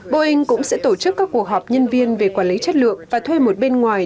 boeing cũng sẽ tổ chức các cuộc họp nhân viên về quản lý chất lượng và thuê một bên ngoài